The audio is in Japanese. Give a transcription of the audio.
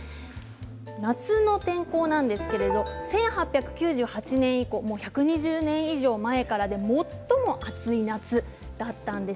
夏の天候なんですけど１８９８年以降１２０年以上前からで最も暑い夏だったんです。